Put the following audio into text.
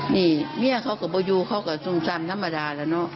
นี่แม่เค้าก็บ่อยู่เค้าก็สุ่มซ้ำธรรมดาแล้วเนาะ